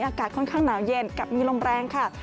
อากาศค่อนข้างหนาวเย็นกับมีลมแรงค่ะ